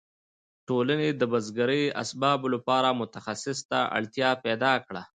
ټولنې د بزګرۍ اسبابو لپاره متخصص ته اړتیا پیدا کړه.